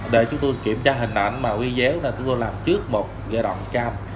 để chúng tôi kiểm tra hình ảnh mà uy dếu là tôi làm trước một ghe đoạn trang